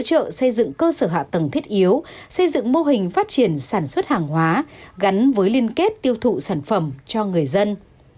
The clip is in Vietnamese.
hỗ trợ xây dựng cơ sở hạ tầng thiết yếu xây dựng mô hình phát triển sản xuất hàng hóa gắn với liên kết tiêu thụ sản phẩm cho người dân